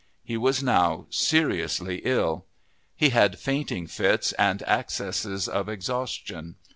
He was now seriously ill. He had fainting fits and accesses of exhaustion.